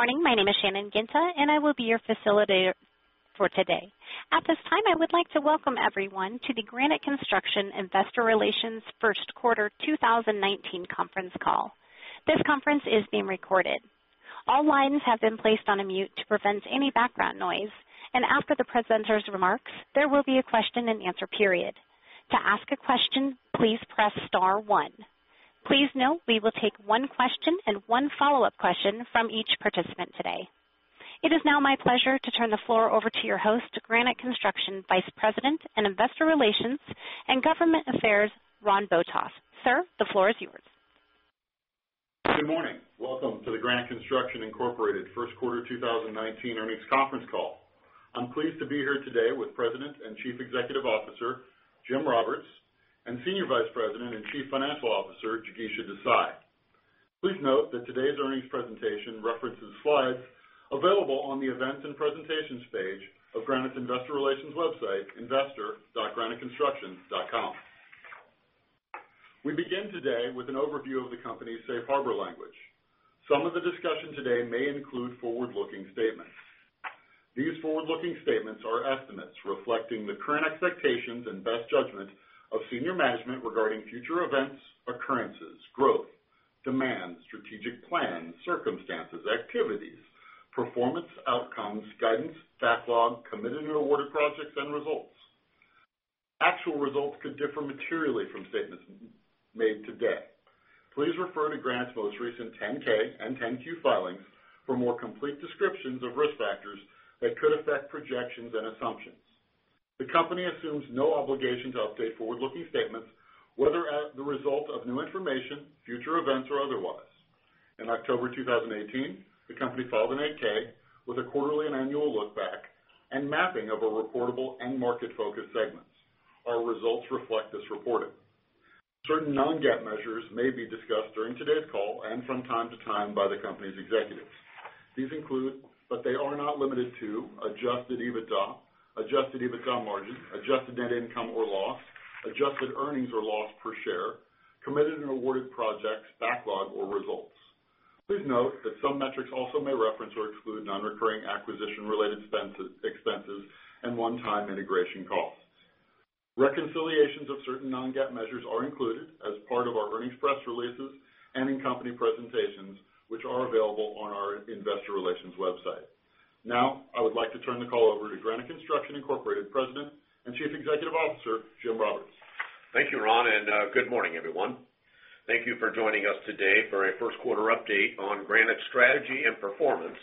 Good morning. My name is Shannon Ginta, and I will be your facilitator for today. At this time, I would like to welcome everyone to the Granite Construction Investor Relations First Quarter 2019 conference call. This conference is being recorded. All lines have been placed on mute to prevent any background noise, and after the presenter's remarks, there will be a question-and-answer period. To ask a question, please press star one. Please note, we will take one question and one follow-up question from each participant today. It is now my pleasure to turn the floor over to your host, Granite Construction Vice President in Investor Relations and Government Affairs, Ron Botoff. Sir, the floor is yours. Good morning. Welcome to the Granite Construction Incorporated first quarter 2019 earnings conference call. I'm pleased to be here today with President and Chief Executive Officer, Jim Roberts, and Senior Vice President and Chief Financial Officer, Jigisha Desai. Please note that today's earnings presentation references slide available on the Events and Presentations page of Granite's Investor Relations website, investor.graniteconstruction.com. We begin today with an overview of the company's safe harbor language. Some of the discussion today may include forward-looking statements. These forward-looking statements are estimates reflecting the current expectations and best judgment of senior management regarding future events, occurrences, growth, demand, strategic plans, circumstances, activities, performance, outcomes, guidance, backlog, Committed and Awarded Projects, and results. Actual results could differ materially from statements made today. Please refer to Granite's most recent 10-K and 10-Q filings for more complete descriptions of risk factors that could affect projections and assumptions. The company assumes no obligation to update forward-looking statements, whether as the result of new information, future events, or otherwise. In October 2018, the company filed an 8-K with a quarterly and annual look back and mapping of our reportable end market focus segments. Our results reflect this reporting. Certain non-GAAP measures may be discussed during today's call and from time to time by the company's executives. These include, but they are not limited to, adjusted EBITDA, adjusted EBITDA margin, adjusted net income or loss, adjusted earnings or loss per share, Committed and Awarded Projects, backlog, or results. Please note that some metrics also may reference or exclude non-recurring acquisition-related expenses, expenses, and one-time integration costs. Reconciliations of certain non-GAAP measures are included as part of our earnings press releases and in company presentations, which are available on our investor relations website. Now, I would like to turn the call over to Granite Construction Incorporated, President and Chief Executive Officer, Jim Roberts. Thank you, Ron, and good morning, everyone. Thank you for joining us today for a first quarter update on Granite's strategy and performance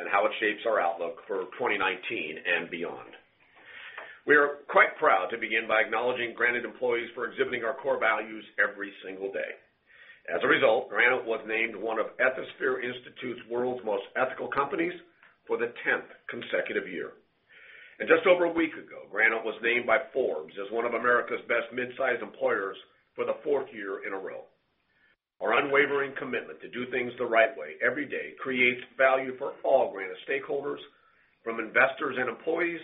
and how it shapes our outlook for 2019 and beyond. We are quite proud to begin by acknowledging Granite employees for exhibiting our core values every single day. As a result, Granite was named one of Ethisphere Institute's World's Most Ethical Companies for the tenth consecutive year. Just over a week ago, Granite was named by Forbes as one of America's Best Mid-Sized Employers for the fourth year in a row. Our unwavering commitment to do things the right way every day creates value for all Granite stakeholders, from investors and employees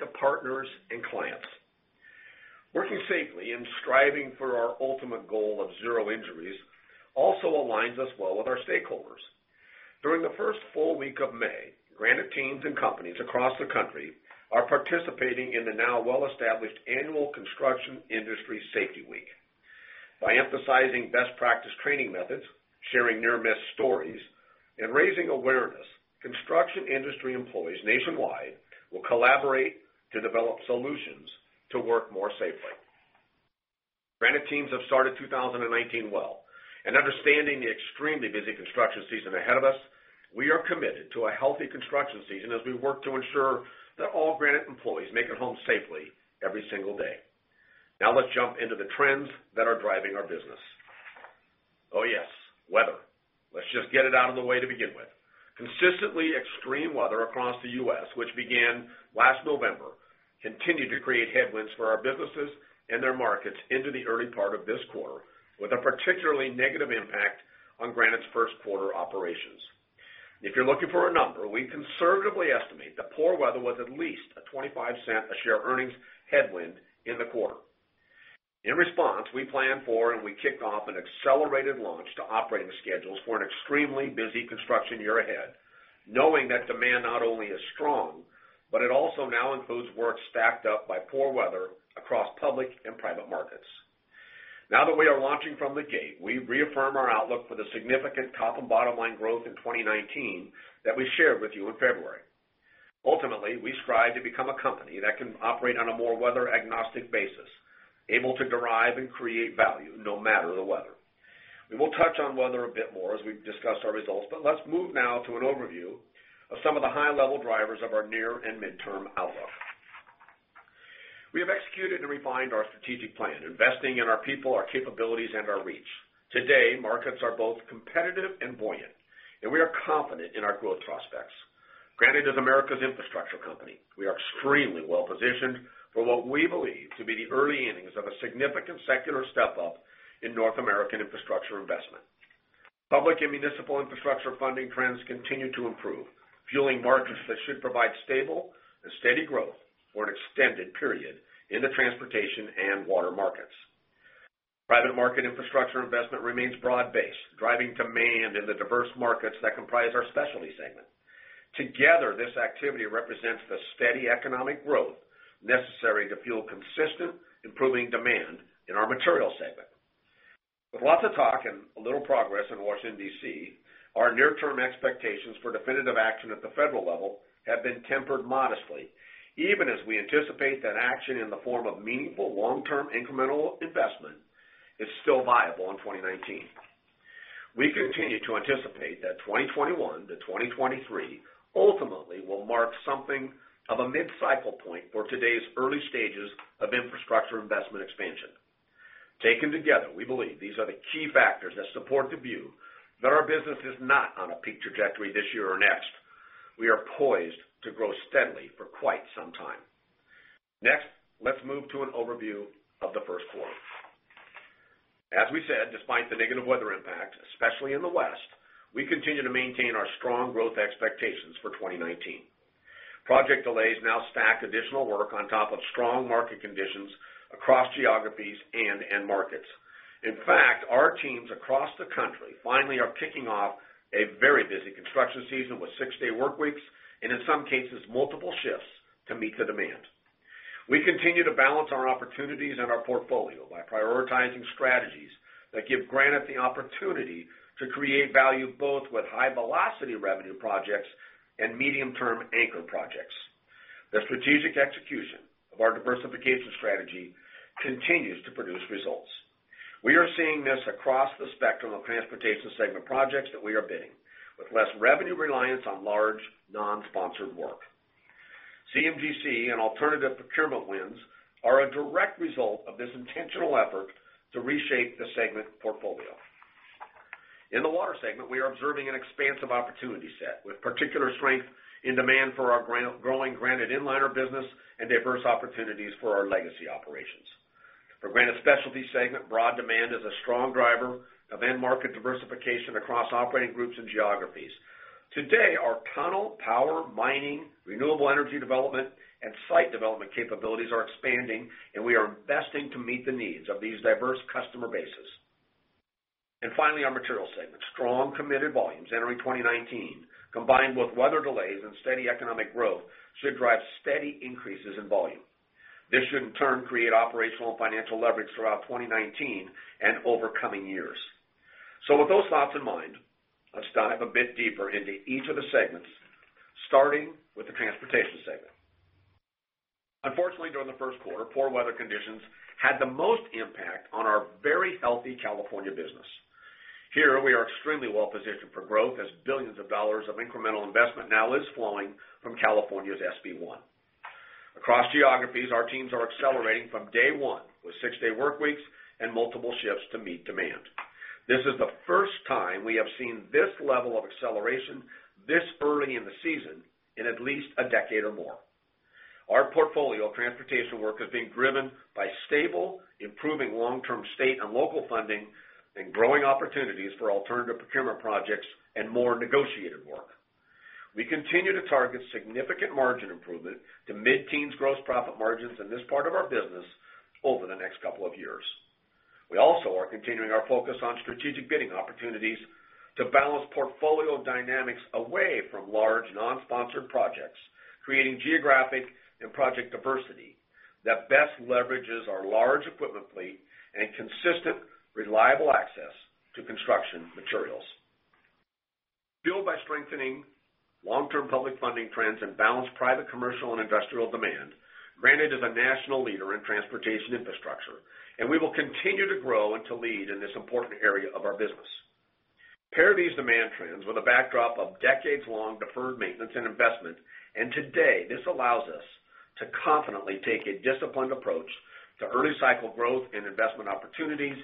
to partners and clients. Working safely and striving for our ultimate goal of zero injuries also aligns us well with our stakeholders. During the first full week of May, Granite teams and companies across the country are participating in the now well-established annual Construction Industry Safety Week. By emphasizing best practice training methods, sharing near-miss stories, and raising awareness, construction industry employees nationwide will collaborate to develop solutions to work more safely. Granite teams have started 2019 well, and understanding the extremely busy construction season ahead of us, we are committed to a healthy construction season as we work to ensure that all Granite employees make it home safely every single day. Now, let's jump into the trends that are driving our business. Oh, yes, weather. Let's just get it out of the way to begin with. Consistently extreme weather across the U.S., which began last November, continued to create headwinds for our businesses and their markets into the early part of this quarter, with a particularly negative impact on Granite's first quarter operations. If you're looking for a number, we conservatively estimate that poor weather was at least a $0.25 a share earnings headwind in the quarter. In response, we planned for and we kicked off an accelerated launch to operating schedules for an extremely busy construction year ahead, knowing that demand not only is strong, but it also now includes work stacked up by poor weather across public and private markets. Now that we are launching from the gate, we reaffirm our outlook for the significant top and bottom-line growth in 2019 that we shared with you in February. Ultimately, we strive to become a company that can operate on a more weather-agnostic basis, able to derive and create value, no matter the weather. We will touch on weather a bit more as we discuss our results, but let's move now to an overview of some of the high-level drivers of our near and midterm outlook. We have executed and refined our strategic plan, investing in our people, our capabilities, and our reach. Today, markets are both competitive and buoyant, and we are confident in our growth prospects. Granite is America's infrastructure company. We are extremely well-positioned for what we believe to be the early innings of a significant secular step up in North American infrastructure investment. Public and municipal infrastructure funding trends continue to improve, fueling markets that should provide stable and steady growth for an extended period in the transportation and water markets.... Private market infrastructure investment remains broad-based, driving demand in the diverse markets that comprise our specialty segment. Together, this activity represents the steady economic growth necessary to fuel consistent, improving demand in our materials segment. With lots of talk and a little progress in Washington, D.C., our near-term expectations for definitive action at the federal level have been tempered modestly, even as we anticipate that action in the form of meaningful, long-term incremental investment is still viable in 2019. We continue to anticipate that 2021-2023 ultimately will mark something of a mid-cycle point for today's early stages of infrastructure investment expansion. Taken together, we believe these are the key factors that support the view that our business is not on a peak trajectory this year or next. We are poised to grow steadily for quite some time. Next, let's move to an overview of the first quarter. As we said, despite the negative weather impact, especially in the West, we continue to maintain our strong growth expectations for 2019. Project delays now stack additional work on top of strong market conditions across geographies and end markets. In fact, our teams across the country finally are kicking off a very busy construction season with six-day work weeks, and in some cases, multiple shifts to meet the demand. We continue to balance our opportunities and our portfolio by prioritizing strategies that give Granite the opportunity to create value, both with high-velocity revenue projects and medium-term anchor projects. The strategic execution of our diversification strategy continues to produce results. We are seeing this across the spectrum of transportation segment projects that we are bidding, with less revenue reliance on large, non-sponsored work. CMGC and alternative procurement wins are a direct result of this intentional effort to reshape the segment portfolio. In the water segment, we are observing an expansive opportunity set, with particular strength in demand for our growing Granite Inliner business and diverse opportunities for our legacy operations. For Granite Specialty segment, broad demand is a strong driver of end market diversification across operating groups and geographies. Today, our tunnel, power, mining, renewable energy development, and site development capabilities are expanding, and we are investing to meet the needs of these diverse customer bases. And finally, our materials segment. Strong, committed volumes entering 2019, combined with weather delays and steady economic growth, should drive steady increases in volume. This should, in turn, create operational and financial leverage throughout 2019 and over coming years. So, with those thoughts in mind, let's dive a bit deeper into each of the segments, starting with the transportation segment. Unfortunately, during the first quarter, poor weather conditions had the most impact on our very healthy California business. Here, we are extremely well positioned for growth, as billions of dollars of incremental investment now is flowing from California's SB 1. Across geographies, our teams are accelerating from day one, with six-day work weeks and multiple shifts to meet demand. This is the first time we have seen this level of acceleration this early in the season in at least a decade or more. Our portfolio of transportation work is being driven by stable, improving long-term state and local funding, and growing opportunities for alternative procurement projects and more negotiated work. We continue to target significant margin improvement to mid-teens gross profit margins in this part of our business over the next couple of years. We also are continuing our focus on strategic bidding opportunities to balance portfolio dynamics away from large, non-sponsored projects, creating geographic and project diversity that best leverages our large equipment fleet and consistent, reliable access to construction materials. Fueled by strengthening long-term public funding trends and balanced private, commercial, and industrial demand, Granite is a national leader in transportation infrastructure, and we will continue to grow and to lead in this important area of our business. Pair these demand trends with a backdrop of decades-long deferred maintenance and investment, and today, this allows us to confidently take a disciplined approach to early-cycle growth and investment opportunities,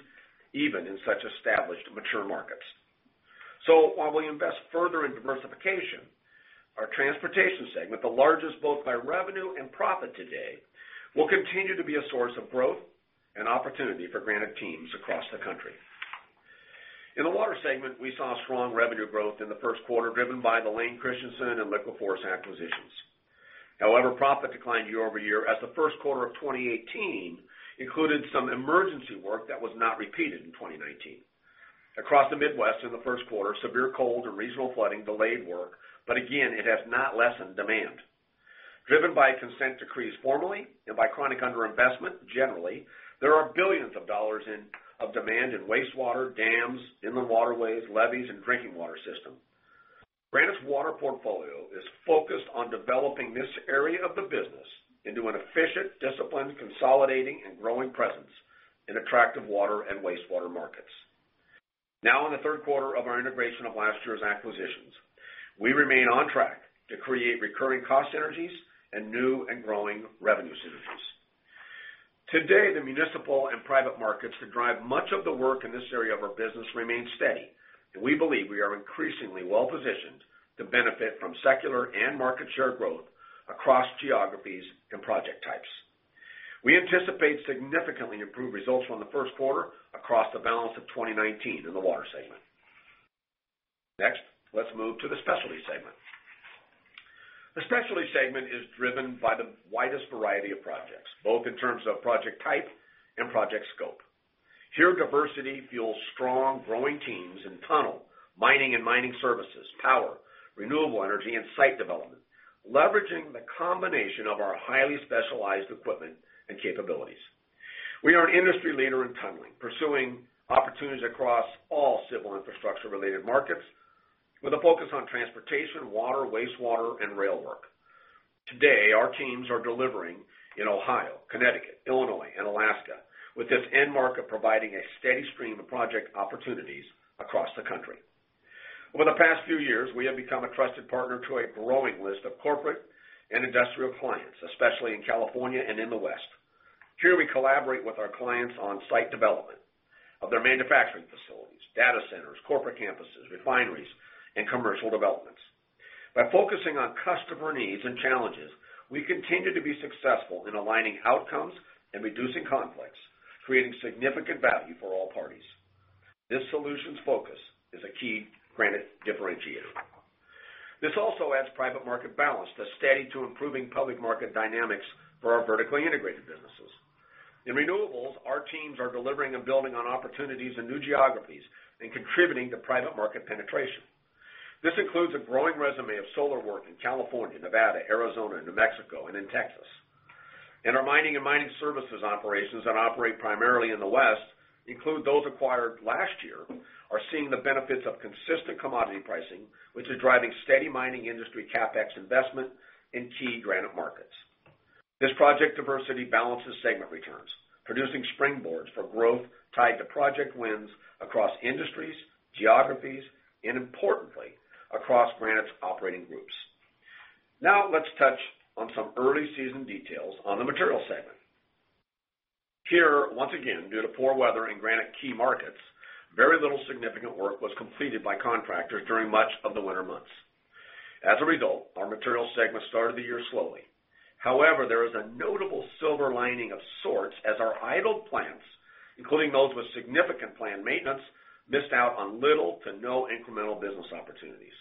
even in such established, mature markets. So, while we invest further in diversification, our transportation segment, the largest, both by revenue and profit today, will continue to be a source of growth and opportunity for Granite teams across the country. In the water segment, we saw strong revenue growth in the first quarter, driven by the Layne Christensen and LiquiForce acquisitions. However, profit declined year-over-year, as the first quarter of 2018 included some emergency work that was not repeated in 2019. Across the Midwest in the first quarter, severe cold and regional flooding delayed work, but again, it has not lessened demand. Driven by consent decrees formally and by chronic underinvestment, generally, there are billions of dollars in, of demand in wastewater, dams, inland waterways, levees, and drinking water system. Granite's water portfolio is focused on developing this area of the business into an efficient, disciplined, consolidating, and growing presence in attractive water and wastewater markets. Now, in the third quarter of our integration of last year's acquisitions, we remain on track to create recurring cost synergies and new and growing revenue synergies. Today, the municipal and private markets that drive much of the work in this area of our business remain steady, and we believe we are increasingly well-positioned to benefit from secular and market share growth across geographies and project types. We anticipate significantly improved results from the first quarter across the balance of 2019 in the water segment. Next, let's move to the Specialty segment. The Specialty segment is driven by the widest variety of projects, both in terms of project type and project scope. Here, diversity fuels strong, growing teams in tunnel, mining and mining services, power, renewable energy, and site development, leveraging the combination of our highly specialized equipment and capabilities. We are an industry leader in tunneling, pursuing opportunities across all civil infrastructure-related markets, with a focus on transportation, water, wastewater, and rail work. Today, our teams are delivering in Ohio, Connecticut, Illinois, and Alaska, with this end market providing a steady stream of project opportunities across the country. Over the past few years, we have become a trusted partner to a growing list of corporate and industrial clients, especially in California and in the West. Here, we collaborate with our clients on site development of their manufacturing facilities, data centers, corporate campuses, refineries, and commercial developments. By focusing on customer needs and challenges, we continue to be successful in aligning outcomes and reducing conflicts, creating significant value for all parties. This solutions focus is a key Granite differentiator. This also adds private market balance to steady to improving public market dynamics for our vertically integrated businesses. In renewables, our teams are delivering and building on opportunities in new geographies and contributing to private market penetration. This includes a growing resume of solar work in California, Nevada, Arizona, New Mexico, and in Texas. And our mining and mining services operations that operate primarily in the West, include those acquired last year, are seeing the benefits of consistent commodity pricing, which is driving steady mining industry CapEx investment in key Granite markets. This project diversity balances segment returns, producing springboards for growth tied to project wins across industries, geographies, and importantly, across Granite's operating groups. Now, let's touch on some early season details on the Materials segment. Here, once again, due to poor weather in Granite key markets, very little significant work was completed by contractors during much of the winter months. As a result, our Materials segment started the year slowly. However, there is a notable silver lining of sorts as our idled plants, including those with significant plant maintenance, missed out on little to no incremental business opportunities.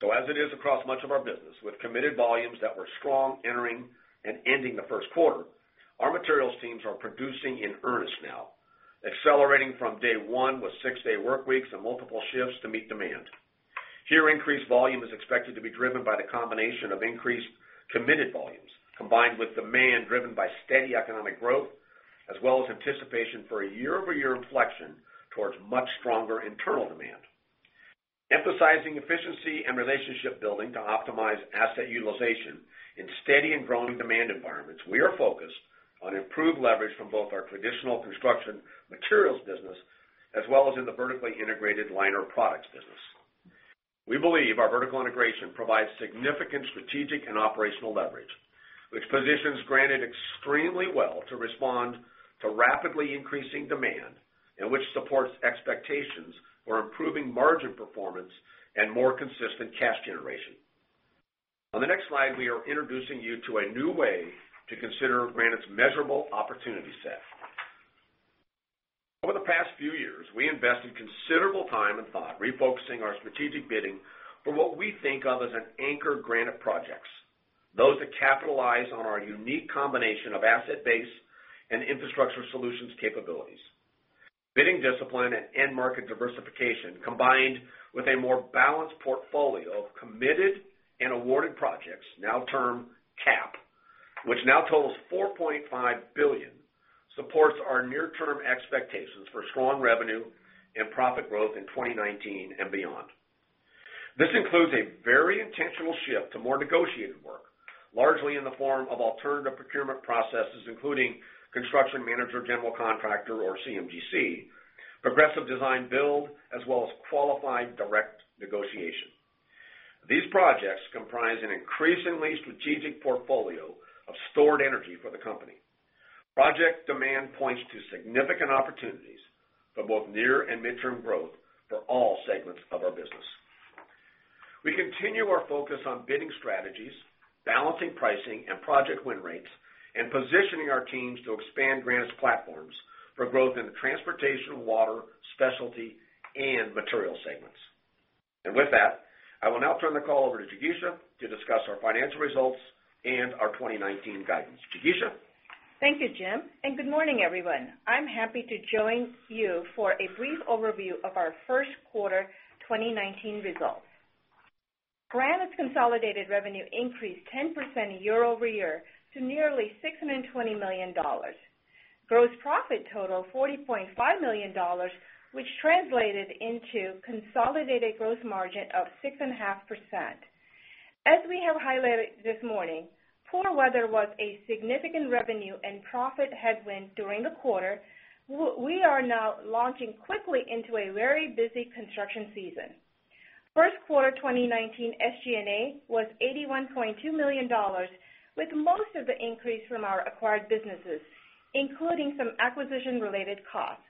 So, as it is across much of our business, with committed volumes that were strong entering and ending the first quarter, our materials teams are producing in earnest now, accelerating from day one with six-day work weeks and multiple shifts to meet demand. Here, increased volume is expected to be driven by the combination of increased committed volumes, combined with demand driven by steady economic growth, as well as anticipation for a year-over-year inflection towards much stronger internal demand. Emphasizing efficiency and relationship building to optimize asset utilization in steady and growing demand environments, we are focused on improved leverage from both our traditional construction materials business, as well as in the vertically integrated liner products business. We believe our vertical integration provides significant strategic and operational leverage, which positions Granite extremely well to respond to rapidly increasing demand and which supports expectations for improving margin performance and more consistent cash generation. On the next slide, we are introducing you to a new way to consider Granite's measurable opportunity set. Over the past few years, we invested considerable time and thought, refocusing our strategic bidding for what we think of as an anchor Granite projects, those that capitalize on our unique combination of asset base and infrastructure solutions capabilities. Bidding discipline and end market diversification, combined with a more balanced portfolio of committed and awarded projects, now termed CAP, which now totals $4.5 billion, supports our near-term expectations for strong revenue and profit growth in 2019 and beyond. This includes a very intentional shift to more negotiated work, largely in the form of alternative procurement processes, including construction manager, general contractor, or CMGC, progressive design-build, as well as qualified direct negotiation. These projects comprise an increasingly strategic portfolio of stored energy for the company. Project demand points to significant opportunities for both near and midterm growth for all segments of our business. We continue our focus on bidding strategies, balancing pricing and project win rates, and positioning our teams to expand Granite's platforms for growth in the transportation, water, specialty, and material segments. With that, I will now turn the call over to Jigisha to discuss our financial results and our 2019 guidance. Jigisha? Thank you, Jim, and good morning, everyone. I'm happy to join you for a brief overview of our first quarter 2019 results. Granite's consolidated revenue increased 10% year-over-year to nearly $620 million. Gross profit totaled $40.5 million, which translated into consolidated gross margin of 6.5%. As we have highlighted this morning, poor weather was a significant revenue and profit headwind during the quarter. We are now launching quickly into a very busy construction season. First quarter 2019 SG&A was $81.2 million, with most of the increase from our acquired businesses, including some acquisition-related costs.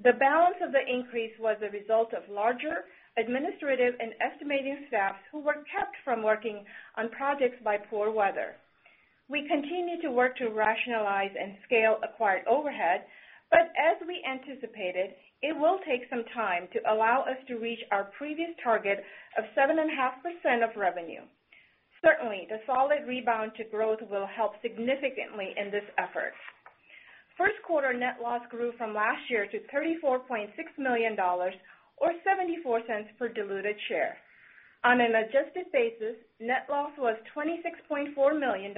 The balance of the increase was a result of larger, administrative, and estimating staffs who were kept from working on projects by poor weather. We continue to work to rationalize and scale acquired overhead, but as we anticipated, it will take some time to allow us to reach our previous target of 7.5% of revenue. Certainly, the solid rebound to growth will help significantly in this effort. First quarter net loss grew from last year to $34.6 million, or $0.74 per diluted share. On an adjusted basis, net loss was $26.4 million,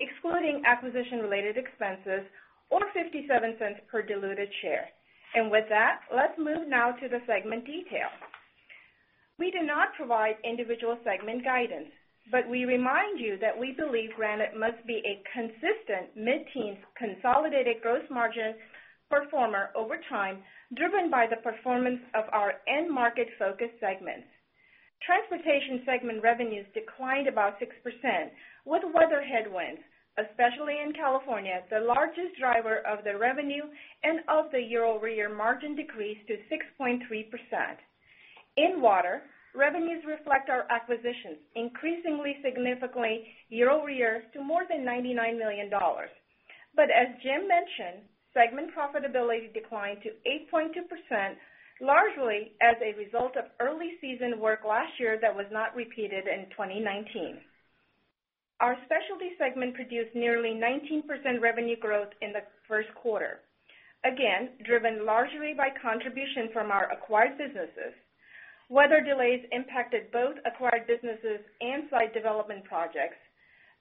excluding acquisition-related expenses or $0.57 per diluted share. With that, let's move now to the segment detail. We do not provide individual segment guidance, but we remind you that we believe Granite must be a consistent mid-teen consolidated gross margin performer over time, driven by the performance of our end market focus segments. Transportation segment revenues declined about 6%, with weather headwinds, especially in California, the largest driver of the revenue and of the year-over-year margin decrease to 6.3%. In water, revenues reflect our acquisitions, increasingly, significantly year-over-year to more than $99 million. But as Jim mentioned, segment profitability declined to 8.2%, largely as a result of early season work last year that was not repeated in 2019. Our specialty segment produced nearly 19% revenue growth in the first quarter, again, driven largely by contribution from our acquired businesses. Weather delays impacted both acquired businesses and site development projects.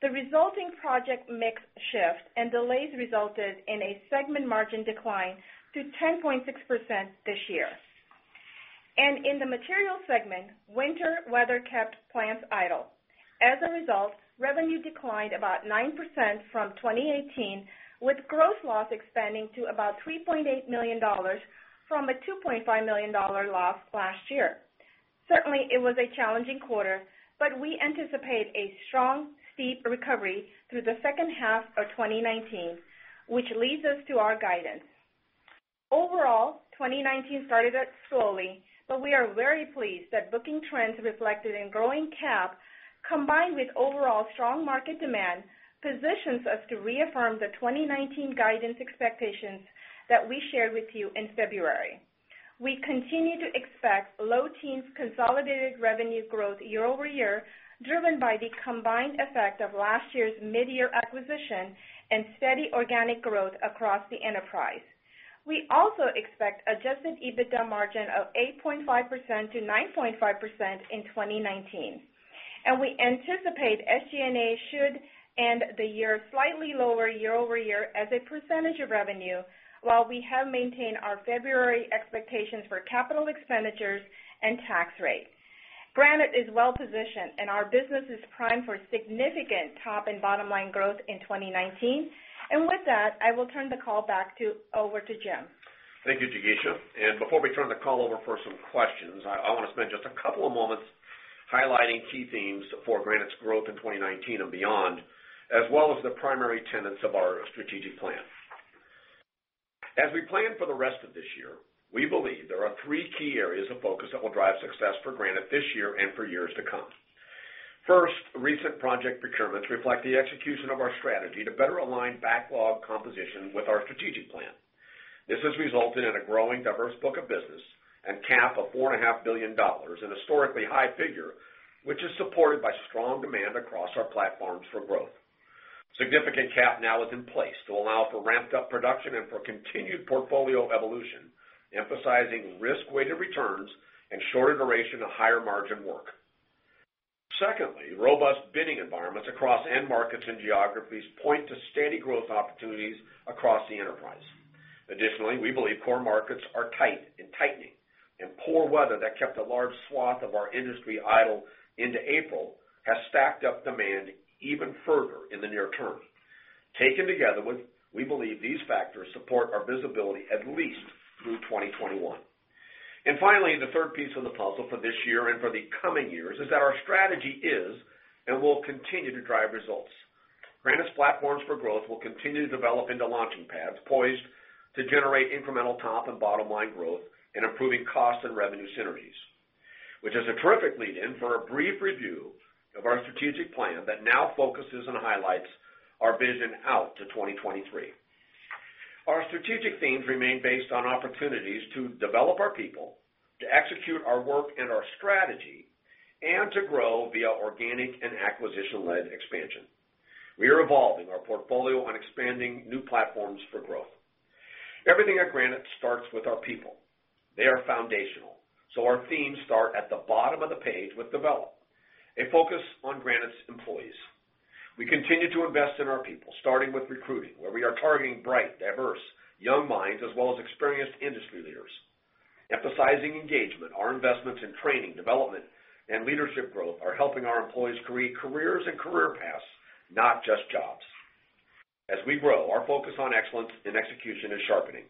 The resulting project mix shift and delays resulted in a segment margin decline to 10.6% this year. In the material segment, winter weather kept plants idle. As a result, revenue declined about 9% from 2018, with gross loss expanding to about $3.8 million from a $2.5 million loss last year. Certainly, it was a challenging quarter, but we anticipate a strong, steep recovery through the second half of 2019, which leads us to our guidance. Overall, 2019 started out slowly, but we are very pleased that booking trends reflected in growing CAP, combined with overall strong market demand, positions us to reaffirm the 2019 guidance expectations that we shared with you in February. We continue to expect low teens consolidated revenue growth year-over-year, driven by the combined effect of last year's mid-year acquisition and steady organic growth across the enterprise. We also expect adjusted EBITDA margin of 8.5%-9.5% in 2019, and we anticipate SG&A should end the year slightly lower year-over-year as a percentage of revenue, while we have maintained our February expectations for capital expenditures and tax rates. Granite is well positioned, and our business is primed for significant top- and bottom-line growth in 2019. With that, I will turn the call over to Jim. Thank you, Jigisha. And before we turn the call over for some questions, I wanna spend just a couple of moments highlighting key themes for Granite's growth in 2019 and beyond, as well as the primary tenets of our strategic plan. As we plan for the rest of this year, we believe there are three key areas of focus that will drive success for Granite this year and for years to come. First, recent project procurements reflect the execution of our strategy to better align backlog composition with our strategic plan. This has resulted in a growing, diverse book of business and CAP of $4.5 billion, an historically high figure, which is supported by strong demand across our platforms for growth. Significant CAP now is in place to allow for ramped-up production and for continued portfolio evolution, emphasizing risk-weighted returns and shorter duration of higher-margin work. Secondly, robust bidding environments across end markets and geographies point to steady growth opportunities across the enterprise. Additionally, we believe core markets are tight and tightening, and poor weather that kept a large swath of our industry idle into April has stacked up demand even further in the near term. Taken together, we believe these factors support our visibility at least through 2021. And finally, the third piece of the puzzle for this year and for the coming years is that our strategy is and will continue to drive results. Granite's platforms for growth will continue to develop into launching pads, poised to generate incremental top and bottom-line growth and improving cost and revenue synergies, which is a terrific lead-in for a brief review of our strategic plan that now focuses and highlights our vision out to 2023. Our strategic themes remain based on opportunities to develop our people, to execute our work and our strategy, and to grow via organic and acquisition-led expansion. We are evolving our portfolio on expanding new platforms for growth. Everything at Granite starts with our people. They are foundational, so our themes start at the bottom of the page with Develop, a focus on Granite's employees. We continue to invest in our people, starting with recruiting, where we are targeting bright, diverse, young minds, as well as experienced industry leaders. Emphasizing engagement, our investments in training, development, and leadership growth are helping our employees create careers and career paths, not just jobs. As we grow, our focus on excellence and execution is sharpening.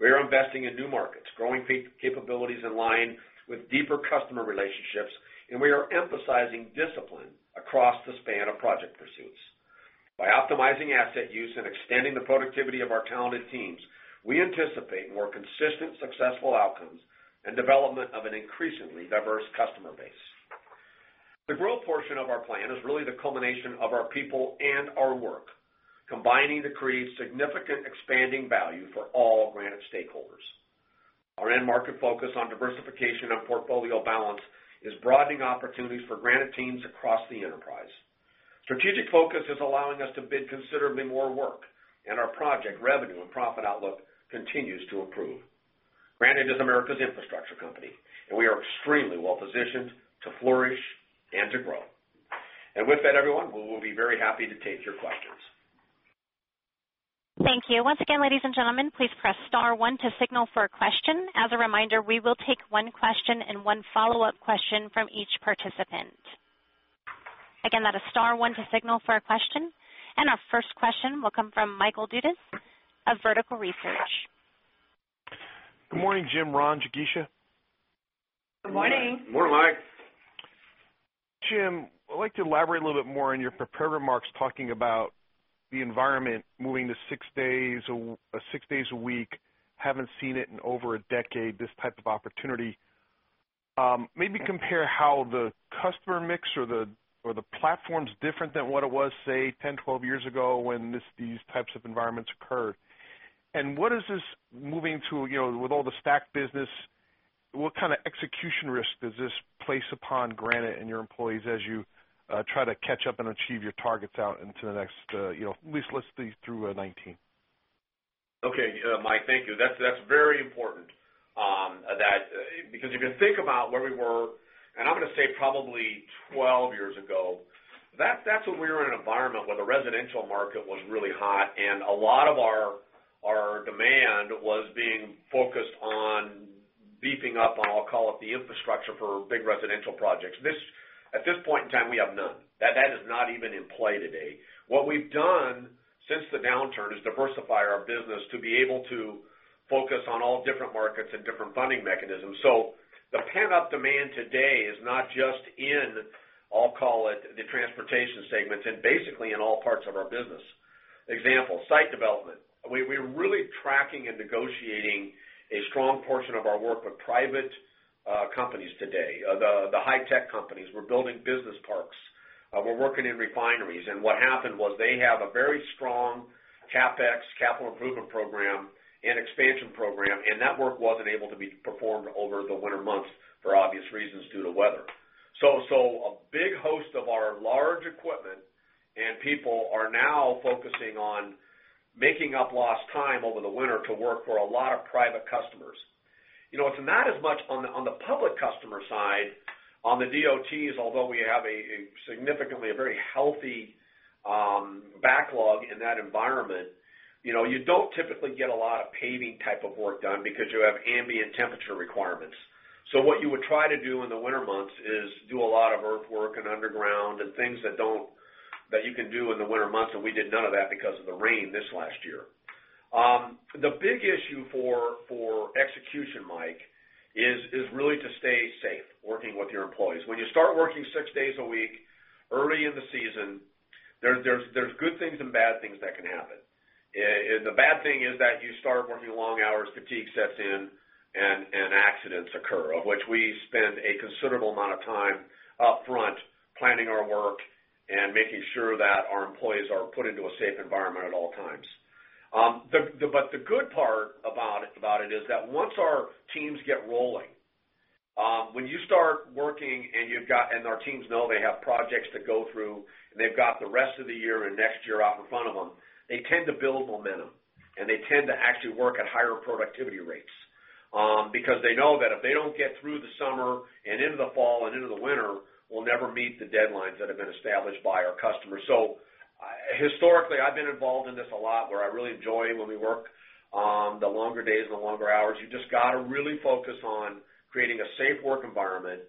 We are investing in new markets, growing capabilities in line with deeper customer relationships, and we are emphasizing discipline across the span of project pursuits. By optimizing asset use and extending the productivity of our talented teams, we anticipate more consistent, successful outcomes and development of an increasingly diverse customer base…. The growth portion of our plan is really the culmination of our people and our work, combining to create significant expanding value for all Granite stakeholders. Our end market focus on diversification and portfolio balance is broadening opportunities for Granite teams across the enterprise. Strategic focus is allowing us to bid considerably more work, and our project, revenue, and profit outlook continues to improve. Granite is America's infrastructure company, and we are extremely well positioned to flourish and to grow. With that, everyone, we will be very happy to take your questions. Thank you. Once again, ladies and gentlemen, please press star one to signal for a question. As a reminder, we will take one question and one follow-up question from each participant. Again, that is star one to signal for a question. And our first question will come from Michael Dudas of Vertical Research. Good morning, Jim, Ron, Jigisha. Good morning. Good morning, Mike. Jim, I'd like to elaborate a little bit more on your prepared remarks, talking about the environment moving to six days a week, haven't seen it in over a decade, this type of opportunity. Maybe compare how the customer mix or the platform's different than what it was, say, 10, 12 years ago when these types of environments occurred. And what is this moving to, you know, with all the stack business, what kind of execution risk does this place upon Granite and your employees as you try to catch up and achieve your targets out into the next, you know, at least let's say, through 2019? Okay, Mike, thank you. That's, that's very important, that. Because if you think about where we were, and I'm gonna say probably 12 years ago, that's when we were in an environment where the residential market was really hot, and a lot of our, our demand was being focused on beefing up on, I'll call it, the infrastructure for big residential projects. At this point in time, we have none. That, that is not even in play today. What we've done since the downturn is diversify our business to be able to focus on all different markets and different funding mechanisms. So, the pent-up demand today is not just in, I'll call it, the transportation segments, and basically in all parts of our business. Example, site development. We're really tracking and negotiating a strong portion of our work with private companies today. The high-tech companies, we're building business parks, we're working in refineries, and what happened was they have a very strong CapEx, capital improvement program and expansion program, and that work wasn't able to be performed over the winter months for obvious reasons, due to weather. So, a big host of our large equipment and people are now focusing on making up lost time over the winter to work for a lot of private customers. You know, it's not as much on the public customer side, on the DOTs, although we have a significantly, a very healthy backlog in that environment, you know, you don't typically get a lot of paving type of work done because you have ambient temperature requirements. So, what you would try to do in the winter months is do a lot of earthworks and underground and things that you can do in the winter months, and we did none of that because of the rain this last year. The big issue for execution, Mike, is really to stay safe working with your employees. When you start working six days a week, early in the season, there's good things and bad things that can happen. And the bad thing is that you start working long hours, fatigue sets in, and accidents occur, of which we spend a considerable amount of time upfront planning our work and making sure that our employees are put into a safe environment at all times. But the good part about it is that once our teams get rolling, when you start working and you've got... Our teams know they have projects to go through, and they've got the rest of the year and next year out in front of them, they tend to build momentum, and they tend to actually work at higher productivity rates. Because they know that if they don't get through the summer and into the fall and into the winter, we'll never meet the deadlines that have been established by our customers. So, historically, I've been involved in this a lot, where I really enjoy when we work the longer days and the longer hours. You just got to really focus on creating a safe work environment.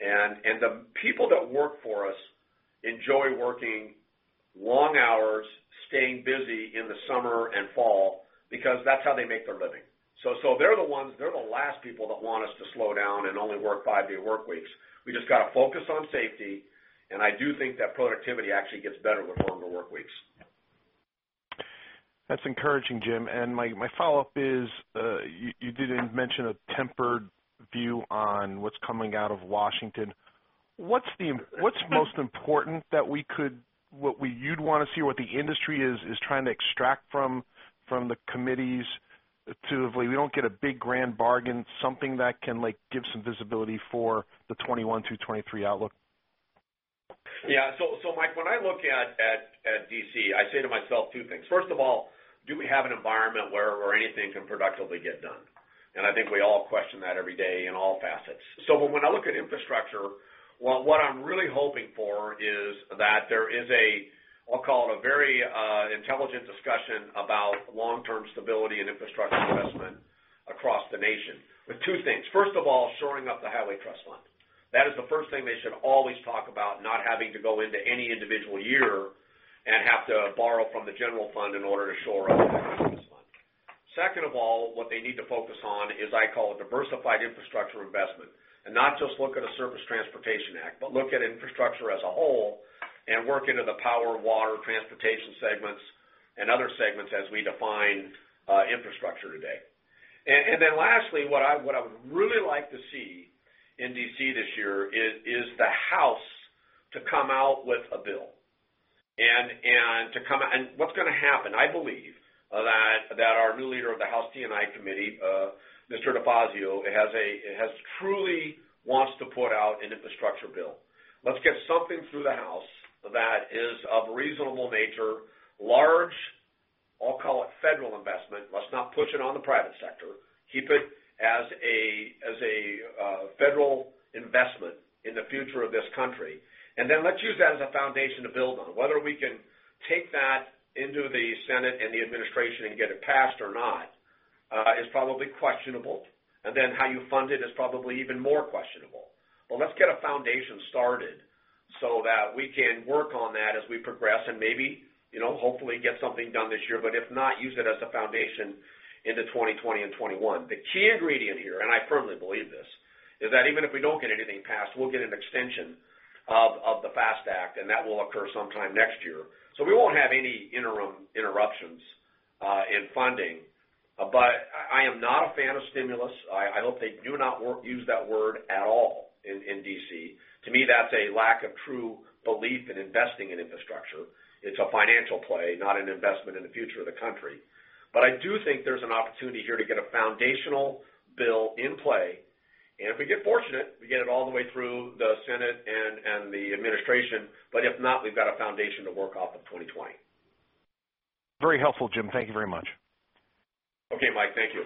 And the people that work for us enjoy working long hours, staying busy in the summer and fall, because that's how they make their living. So, they're the ones, they're the last people that want us to slow down and only work five-day workweeks. We just got to focus on safety, and I do think that productivity actually gets better with longer workweeks. That's encouraging, Jim. My follow-up is you didn't mention a tempered view on what's coming out of Washington. What's the most important that we could, you'd want to see, what the industry is trying to extract from the committees to, if we don't get a big grand bargain, something that can, like, give some visibility for the 2021-2023 outlook? Yeah. So, Mike, when I look at D.C., I say to myself two things: First of all, do we have an environment where anything can productively get done? And I think we all question that every day in all facets. So, when I look at infrastructure, what I'm really hoping for is that there is a, I'll call it, a very intelligent discussion about long-term stability and infrastructure investment across the nation with two things. First of all, shoring up the Highway Trust Fund. That is the first thing they should always talk about, not having to go into any individual year and have to borrow from the general fund in order to shore up the Trust Fund. Second of all, what they need to focus on is, I call a diversified infrastructure investment, and not just look at a Surface Transportation Act, but look at infrastructure as a whole and work into the power, water, transportation segments and other segments as we define infrastructure today. And then lastly, what I would really like to see in D.C. this year is the House to come out with a bill. And to come out and what's gonna happen, I believe, that our new leader of the House T&I Committee, Mr. DeFazio, has truly wants to put out an infrastructure bill. Let's get something through the House that is of reasonable nature, large, I'll call it federal investment. Let's not push it on the private sector. Keep it as a federal investment in the future of this country and then let's use that as a foundation to build on. Whether we can take that into the Senate and the administration and get it passed or not is probably questionable, and then how you fund it is probably even more questionable. But let's get a foundation started so that we can work on that as we progress and maybe, you know, hopefully, get something done this year. But if not, use it as a foundation into 2020 and 2021. The key ingredient here, and I firmly believe this, is that even if we don't get anything passed, we'll get an extension of the FAST Act, and that will occur sometime next year. So, we won't have any interim interruptions in funding. But I am not a fan of stimulus. I hope they do not use that word at all in D.C. To me, that's a lack of true belief in investing in infrastructure. It's a financial play, not an investment in the future of the country. But I do think there's an opportunity here to get a foundational bill in play, and if we get fortunate, we get it all the way through the Senate and the administration. But if not, we've got a foundation to work off of 2020. Very helpful, Jim. Thank you very much. Okay, Mike. Thank you.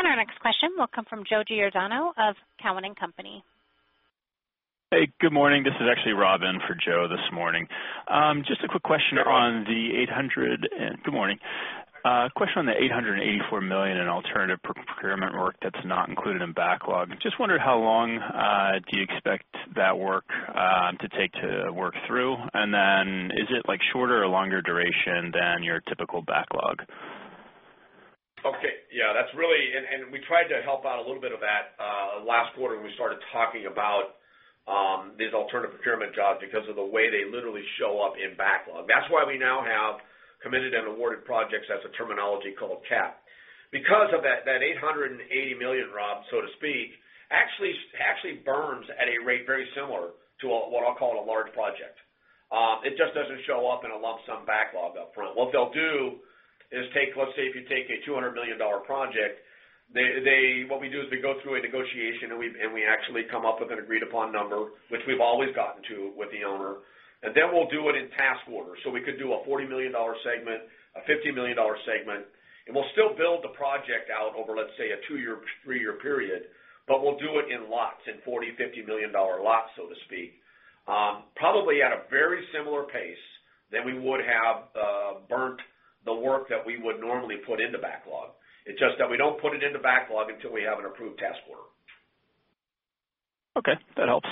Our next question will come from Joe DiGiordano of Cowen and Company. Hey, good morning. This is actually Rob in for Joe this morning. Just a quick question- Good morning. Good morning. A question on the $884 million in alternative procurement work that's not included in backlog. Just wondered, how long do you expect that work to take to work through? And then is it like shorter or longer duration than your typical backlog? Okay. Yeah, that's really... And we tried to help out a little bit of that last quarter when we started talking about these alternative procurement jobs because of the way they literally show up in backlog. That's why we now have Committed and Awarded Projects as a terminology called CAP. Because of that, that $880 million, Rob, so to speak, actually burns at a rate very similar to a, what I'll call it, a large project. It just doesn't show up in a lump sum backlog upfront. What they'll do is take, let's say, if you take a $200 million project, they, what we do is we go through a negotiation, and we, and we actually come up with an agreed-upon number, which we've always gotten to with the owner, and then we'll do it in task order. So, we could do a $40 million segment, a $50 million segment, and we'll still build the project out over, let's say, a 2-year, 3-year period, but we'll do it in lots, in $40, $50 million dollar lots, so to speak. Probably at a very similar pace than we would have, burnt the work that we would normally put in the backlog. It's just that we don't put it in the backlog until we have an approved task order. Okay, that helps.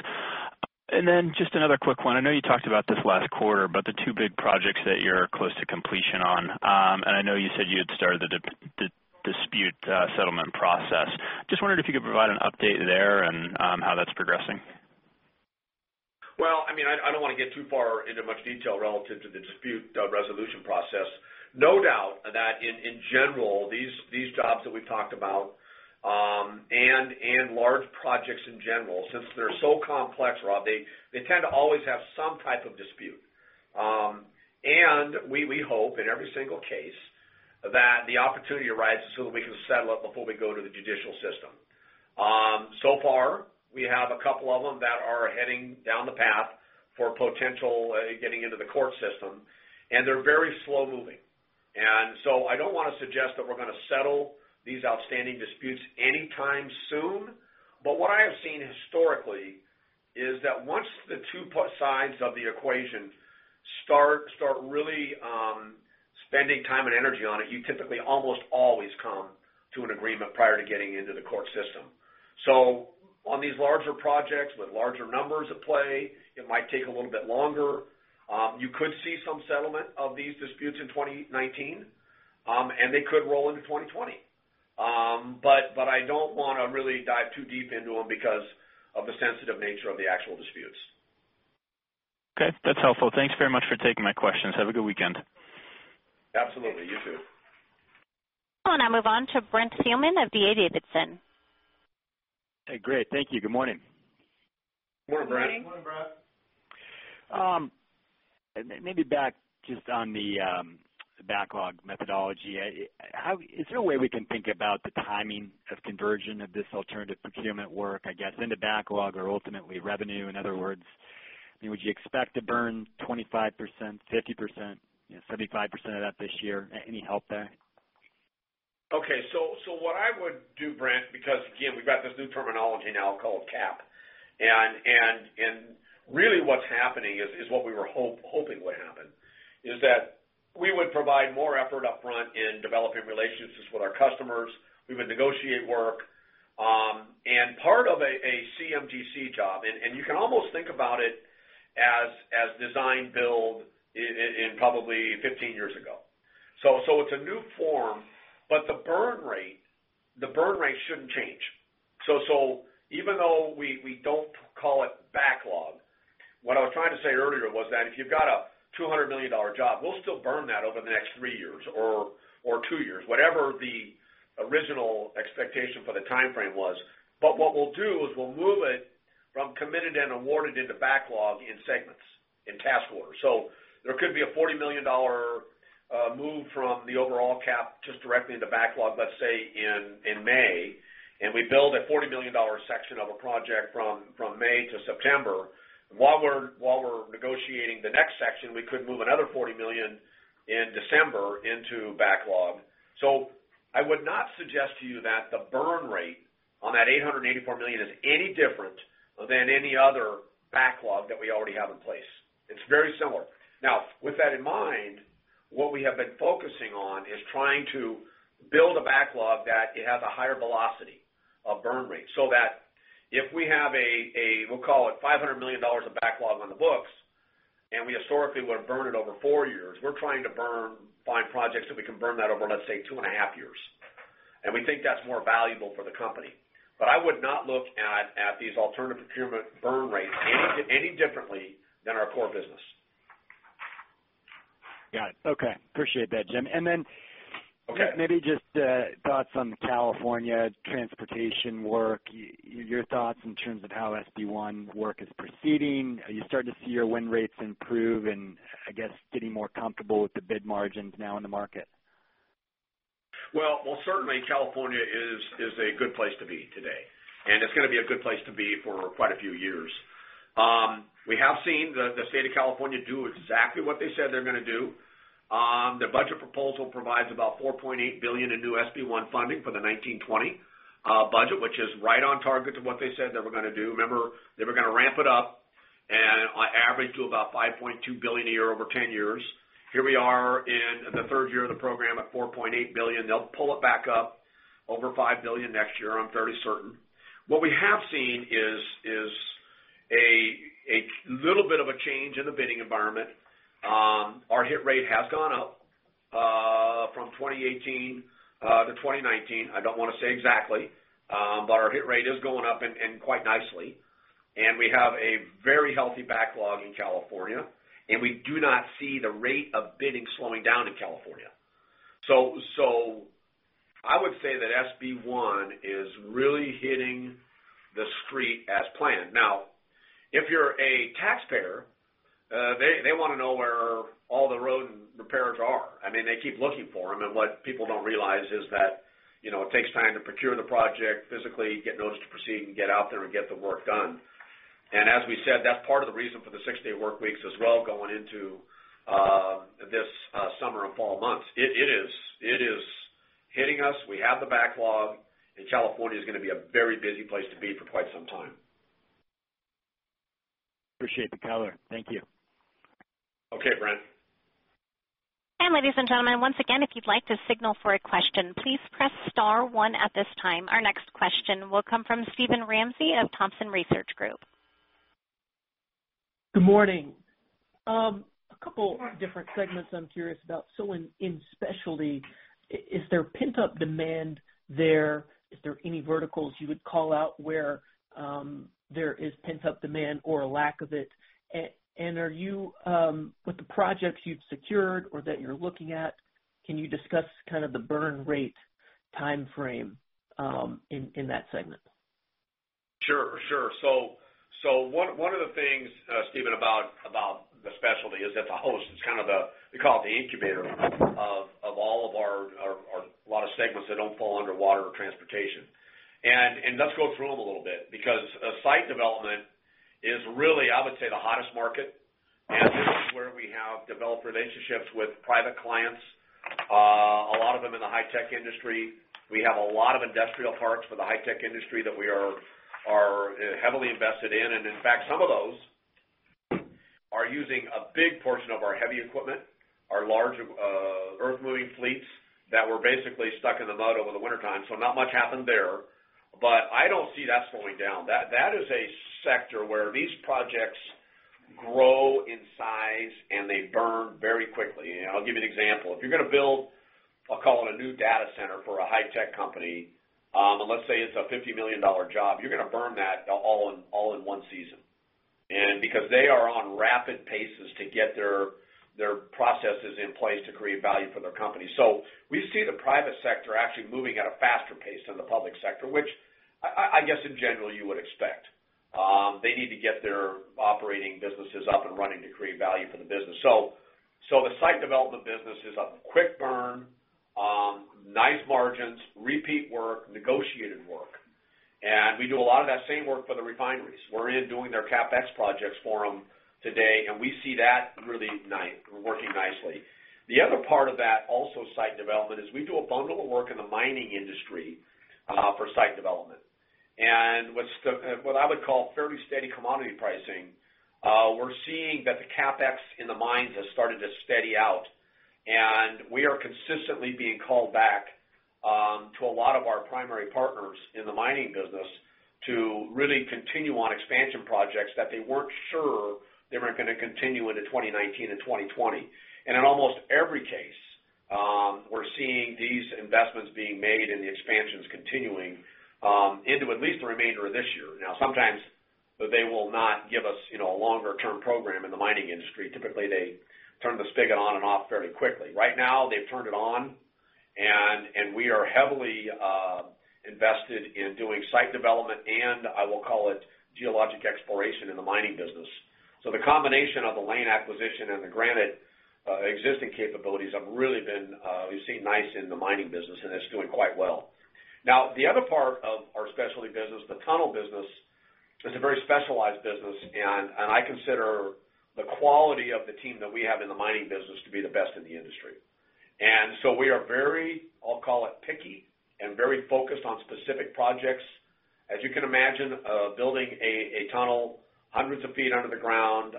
And then just another quick one. I know you talked about this last quarter, about the two big projects that you're close to completion on. And I know you said you had started the the dispute settlement process. Just wondered if you could provide an update there and, how that's progressing? Well, I mean, I don't wanna get too far into much detail relative to the dispute resolution process. No doubt that in general, these jobs that we've talked about and large projects in general, since they're so complex, Rob, they tend to always have some type of dispute. And we hope in every single case, that the opportunity arises so that we can settle it before we go to the judicial system. So far, we have a couple of them that are heading down the path for potential getting into the court system, and they're very slow moving. And so I don't wanna suggest that we're gonna settle these outstanding disputes anytime soon, but what I have seen historically is that once the two sides of the equation start really spending time and energy on it, you typically almost always come to an agreement prior to getting into the court system. So, on these larger projects, with larger numbers at play, it might take a little bit longer. You could see some settlement of these disputes in 2019, and they could roll into 2020. But I don't wanna really dive too deep into them because of the sensitive nature of the actual disputes. Okay, that's helpful. Thanks very much for taking my questions. Have a good weekend. Absolutely, you, too. I'll now move on to Brent Thielman of D.A. Davidson. Hey, great. Thank you. Good morning. Good morning, Brent. Good morning. Morning, Brent. Maybe back just on the backlog methodology. Is there a way we can think about the timing of conversion of this alternative procurement work, I guess, in the backlog or ultimately revenue? In other words, would you expect to burn 25%, 50%, you know, 75% of that this year? Any help there? Okay, so what I would do, Brent, because, again, we've got this new terminology now called CAP. And really what's happening is what we were hoping would happen, is that we would provide more effort upfront in developing relationships with our customers. We would negotiate work and part of a CMGC job, and you can almost think about it as design-build in probably 15 years ago. So, it's a new form, but the burn rate shouldn't change. So, even though we don't call it backlog, what I was trying to say earlier was that if you've got a $200 million job, we'll still burn that over the next 3 years or 2 years, whatever the original expectation for the timeframe was. But what we'll do is we'll move it from committed and awarded into backlog in segments, in task order. So, there could be a $40 million move from the overall cap just directly into backlog, let's say, in May, and we build a $40 million section of a project from May to September. While we're negotiating the next section, we could move another $40 million in December into backlog. So, I would not suggest to you that the burn rate on that $884 million is any different than any other backlog that we already have in place. It's very similar. Now, with that in mind, what we have been focusing on is trying to build a backlog that has a higher velocity of burn rate, so that if we have a, we'll call it $500 million of backlog on the books, and we historically would have burned it over four years, we're trying to find projects that we can burn that over, let's say, two and a half years. And we think that's more valuable for the company. But I would not look at these alternative procurements burn rates any differently than our core business. Got it. Okay. Appreciate that, Jim. And then- Okay. Maybe just thoughts on California transportation work, your thoughts in terms of how SB 1 work is proceeding? Are you starting to see your win rates improve and, I guess, getting more comfortable with the bid margins now in the market? Well, well, certainly, California is a good place to be today, and it's gonna be a good place to be for quite a few years. We have seen the state of California do exactly what they said they're gonna do. Their budget proposal provides about $4.8 billion in new SB1 funding for the 2019-2020 budget, which is right on target to what they said they were gonna do. Remember, they were gonna ramp it up and on average to about $5.2 billion a year over 10 years. Here we are in the third year of the program at $4.8 billion. They'll pull it back up over $5 billion next year, I'm fairly certain. What we have seen is a little bit of a change in the bidding environment. Our hit rate has gone up from 2018 to 2019. I don't wanna say exactly, but our hit rate is going up and quite nicely. And we have a very healthy backlog in California, and we do not see the rate of bidding slowing down in California. So, I would say that SB 1 is really hitting the street as planned. Now, if you're a taxpayer, they wanna know where all the road repairs are. I mean, they keep looking for them, and what people don't realize is that, you know, it takes time to procure the project, physically get notice to proceed, and get out there and get the work done. And as we said, that's part of the reason for the six-day workweeks as well, going into this summer and fall months. It is hitting us. We have the backlog, and California is gonna be a very busy place to be for quite some time. Appreciate the color. Thank you. Okay, Brent. Ladies and gentlemen, once again, if you'd like to signal for a question, please press *1 at this time. Our next question will come from Steven Ramsey of Thompson Research Group. Good morning. A couple different segments I'm curious about. So, in specialty, is there pent-up demand there? Is there any verticals you would call out where there is pent-up demand or a lack of it? And are you, with the projects you've secured or that you're looking at, can you discuss kind of the burn rate timeframe, in that segment? Sure, sure. So, one of the things, Steven, about the specialty is that the host is kind of, we call it the incubator of all of a lot of segments that don't fall under water or transportation. And let's go through them a little bit because site development is really, I would say, the hottest market, and this is where we have developed relationships with private clients, a lot of them in the high-tech industry. We have a lot of industrial parks for the high-tech industry that we are heavily invested in. And in fact, some of those are using a big portion of our heavy equipment, our large earthmoving fleets that were basically stuck in the mud over the wintertime, so not much happened there. But I don't see that slowing down. That, that is a sector where these projects grow in size, and they burn very quickly. And I'll give you an example. If you're gonna build, I'll call it a new data center for a high-tech company, and let's say it's a $50 million job, you're gonna burn that all in, all in one season. And because they are on rapid paces to get there, their processes in place to create value for their company. So, we see the private sector actually moving at a faster pace than the public sector, which I, I, I guess in general, you would expect. They need to get their operating businesses up and running to create value for the business. So, so the site development business is a quick burn, nice margins, repeat work, negotiated work, and we do a lot of that same work for the refineries. We're in doing their CapEx projects for them today, and we see that really working nicely. The other part of that, also site development, is we do a bundle of work in the mining industry for site development. And what I would call fairly steady commodity pricing, we're seeing that the CapEx in the mines has started to steady out, and we are consistently being called back to a lot of our primary partners in the mining business to really continue on expansion projects that they weren't sure they were gonna continue into 2019 and 2020. And in almost every case, we're seeing these investments being made and the expansions continuing into at least the remainder of this year. Now, sometimes, they will not give us, you know, a longer-term program in the mining industry. Typically, they turn the spigot on and off very quickly. Right now, they've turned it on, and we are heavily invested in doing site development, and I will call it geologic exploration in the mining business. So, the combination of the Layne acquisition and the Granite existing capabilities have really been, we've seen nice in the mining business, and it's doing quite well. Now, the other part of our specialty business, the tunnel business, is a very specialized business, and I consider the quality of the team that we have in the mining business to be the best in the industry. And so we are very, I'll call it picky, and very focused on specific projects. As you can imagine, building a tunnel hundreds of feet under the ground,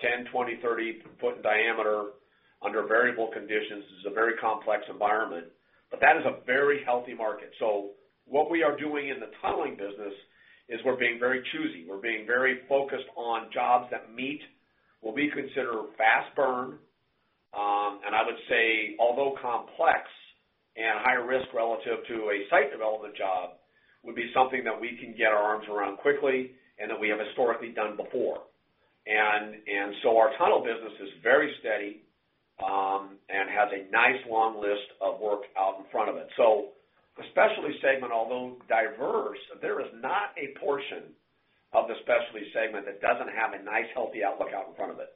10, 20, 30 foot in diameter under variable conditions is a very complex environment, but that is a very healthy market. So, what we are doing in the tunneling business is we're being very choosy. We're being very focused on jobs that meet what we consider fast burn. And I would say, although complex and higher risk relative to a site development job, would be something that we can get our arms around quickly and that we have historically done before. And so, our tunnel business is very steady and has a nice long list of work out in front of it. So, the specialty segment, although diverse, there is not a portion of the specialty segment that doesn't have a nice, healthy outlook out in front of it.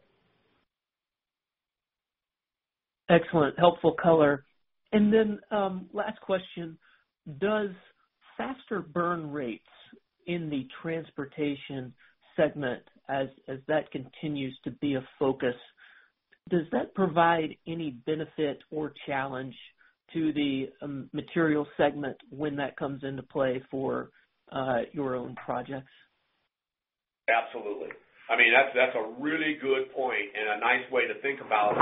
Excellent, helpful color. Last question: Does faster burn rates in the transportation segment, as that continues to be a focus, does that provide any benefit or challenge to the material segment when that comes into play for your own projects? Absolutely. I mean, that's a really good point and a nice way to think about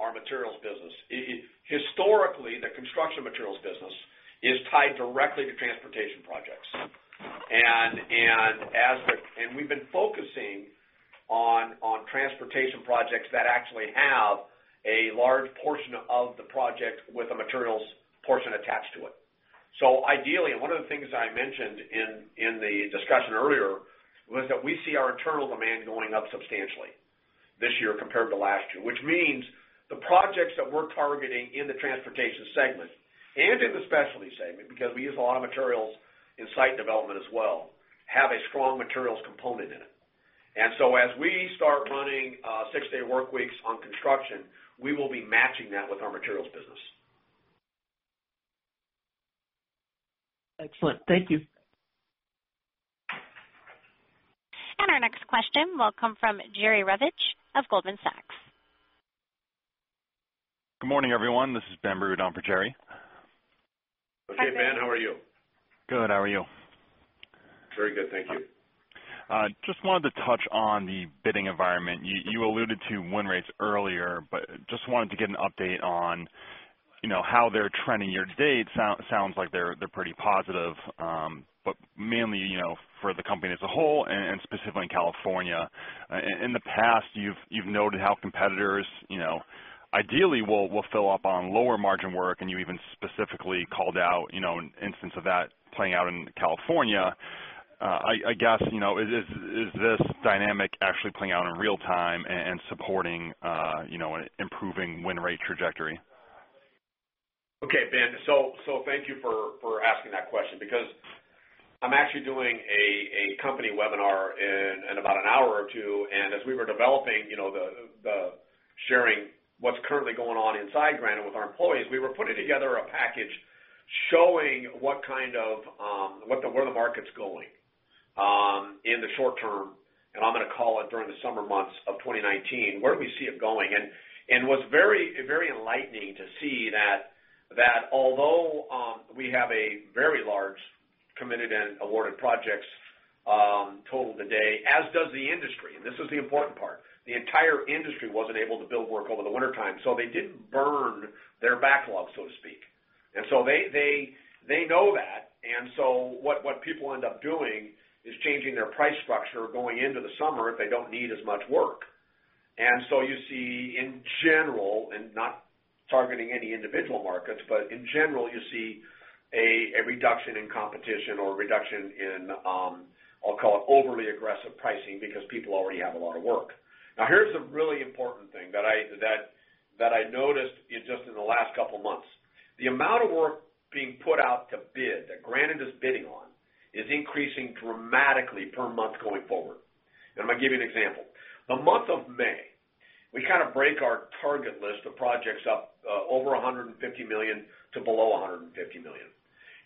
our materials business. It historically, the construction materials business is tied directly to transportation projects. And we've been focusing on transportation projects that actually have a large portion of the project with a materials portion attached to it. So ideally, one of the things I mentioned in the discussion earlier was that we see our internal demand going up substantially this year compared to last year, which means the projects that we're targeting in the transportation segment and in the specialty segment, because we use a lot of materials in site development as well, have a strong materials component in it. And so, as we start running six-day work weeks on construction, we will be matching that with our materials business. Excellent. Thank you. Our next question will come from Jerry Revich of Goldman Sachs. Good morning, everyone. This is Ben Burud for Jerry. Okay, Ben, how are you? Good. How are you? Very good, thank you. Just wanted to touch on the bidding environment. You alluded to win rates earlier, but just wanted to get an update on, you know, how they're trending year to date. Sounds like they're pretty positive, but mainly, you know, for the company as a whole and specifically in California. In the past, you've noted how competitors, you know, ideally will fill up on lower margin work, and you even specifically called out, you know, an instance of that playing out in California. I guess, you know, is this dynamic actually playing out in real time and supporting, you know, improving win rate trajectory? Okay, Ben, thank you for asking that question, because I'm actually doing a company webinar in about an hour or two, and as we were developing, you know, the sharing what's currently going on inside Granite with our employees, we were putting together a package showing where the market's going in the short term, and I'm gonna call it during the summer months of 2019, where do we see it going? And what's very enlightening to see that although we have a very large Committed and Awarded Projects total today, as does the industry, and this is the important part, the entire industry wasn't able to build work over the wintertime, so they didn't burn their backlog, so to speak. And so, they know that, and so what people end up doing is changing their price structure going into the summer if they don't need as much work. And so, you see in general, and not targeting any individual markets, but in general, you see a reduction in competition or reduction in, I'll call it overly aggressive pricing because people already have a lot of work. Now, here's the really important thing that I noticed in just in the last couple of months. The amount of work being put out to bid, that Granite is bidding on, is increasing dramatically per month going forward. And I'm gonna give you an example. The month of May, we kind of break our target list of projects up, over $150 million to below $150 million.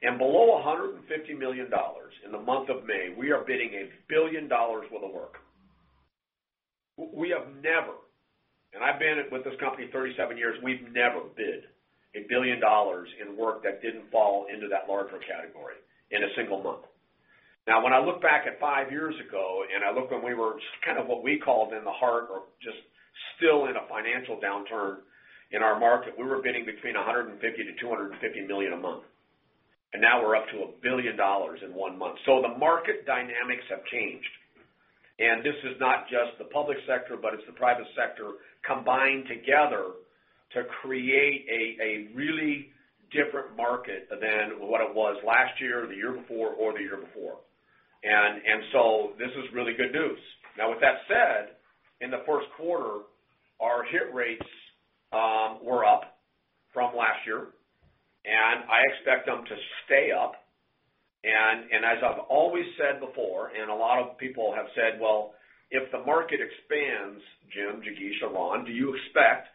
And below $150 million in the month of May, we are bidding $1 billion worth of work. We have never, and I've been with this company 37 years, we've never bid $1 billion in work that didn't fall into that larger category in a single month. Now, when I look back at 5 years ago, and I look when we were just kind of what we called in the heart or just still in a financial downturn in our market, we were bidding between $150 million-$250 million a month, and now we're up to $1 billion in one month. So, the market dynamics have changed. And this is not just the public sector, but it's the private sector combined together to create a really different market than what it was last year, or the year before, or the year before. And so, this is really good news. Now, with that said, in the first quarter, our hit rates were up from last year, and I expect them to stay up. And as I've always said before, and a lot of people have said, "Well, if the market expands, Jim, Jigisha, or Ron, do you expect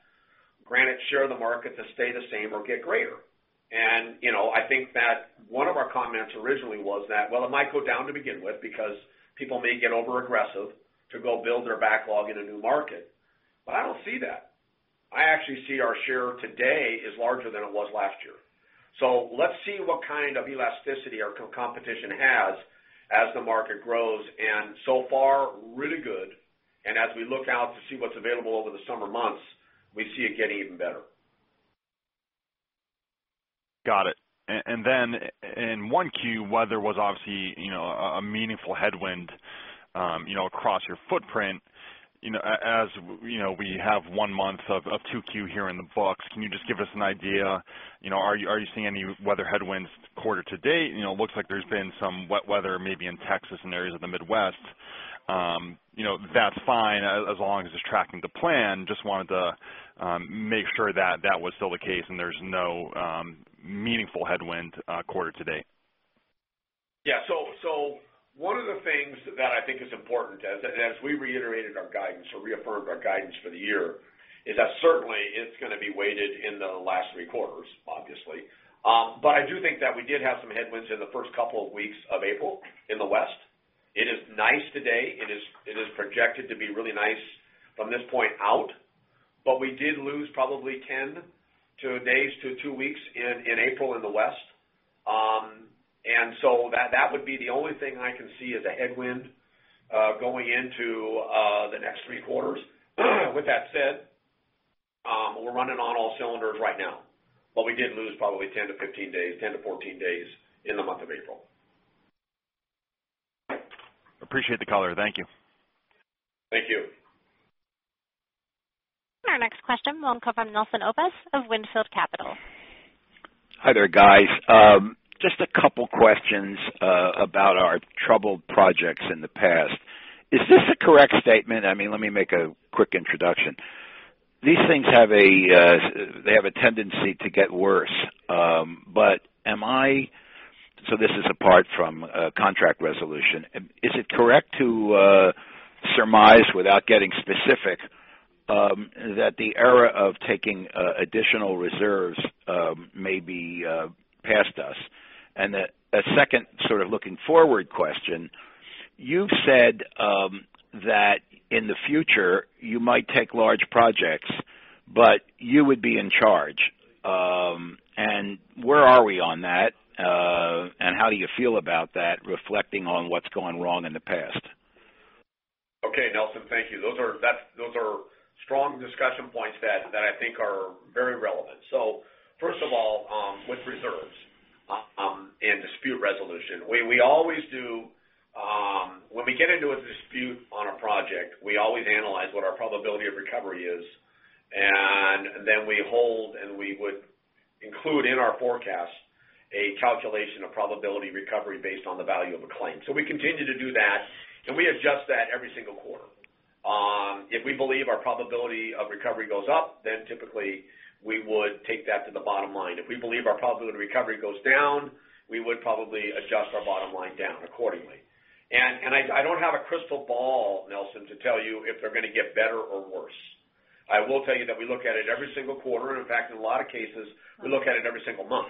Granite share of the market to stay the same or get greater?" And, you know, I think that one of our comments originally was that, well, it might go down to begin with because people may get overaggressive to go build their backlog in a new market. But I don't see that. I actually see our share today is larger than it was last year. So, let's see what kind of elasticity our competition has as the market grows, and so far, really good. And as we look out to see what's available over the summer months, we see it getting even better. Got it. And then in 1Q, weather was obviously, you know, a meaningful headwind, you know, across your footprint. You know, as, you know, we have 1 month of 2Q here in the books, can you just give us an idea, you know, are you seeing any weather headwinds quarter to date? You know, it looks like there's been some wet weather, maybe in Texas and areas of the Midwest. You know, that's fine, as long as it's tracking the plan. Just wanted to make sure that that was still the case, and there's no meaningful headwind quarter to date. Yeah. So, one of the things that I think is important, as we reiterated our guidance or reaffirmed our guidance for the year, is that certainly it's gonna be weighted in the last three quarters, obviously. But I do think that we did have some headwinds in the first couple of weeks of April in the West. It is nice today. It is projected to be really nice from this point out, but we did lose probably 10 days to 2 weeks in April in the West. And so that would be the only thing I can see as a headwind going into the next three quarters. With that said, we're running on all cylinders right now, but we did lose probably 10-15 days, 10-14 days in the month of April. Appreciate the color. Thank you. Thank you. Our next question will come from Nelson Obus of Wynnefield Capital. Hi there, guys. Just a couple questions about our troubled projects in the past. Is this a correct statement? I mean, let me make a quick introduction. These things have a tendency to get worse but am I... So, this is apart from contract resolution. Is it correct to surmise, without getting specific, that the era of taking additional reserves may be past us? And that a second sort of looking forward question, you've said that in the future, you might take large projects, but you would be in charge. And where are we on that, and how do you feel about that, reflecting on what's gone wrong in the past? Okay, Nelson, thank you. Those are strong discussion points that I think are very relevant. So, first of all, with reserves and dispute resolution, we always do... When we get into a dispute on a project, we always analyze what our probability of recovery is, and then we hold, and we would include in our forecast, a calculation of probability of recovery based on the value of a claim. So, we continue to do that, and we adjust that every single quarter. If we believe our probability of recovery goes up, then typically we would take that to the bottom line. If we believe our probability of recovery goes down, we would probably adjust our bottom line down accordingly. And I don't have a crystal ball, Nelson, to tell you if they're gonna get better or worse. I will tell you that we look at it every single quarter, and in fact, in a lot of cases, we look at it every single month.